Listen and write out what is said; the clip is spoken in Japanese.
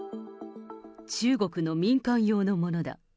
中国の民間用のものだ。